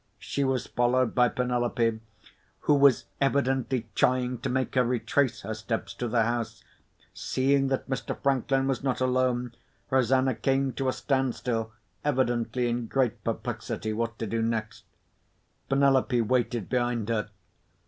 She was followed by Penelope, who was evidently trying to make her retrace her steps to the house. Seeing that Mr. Franklin was not alone, Rosanna came to a standstill, evidently in great perplexity what to do next. Penelope waited behind her.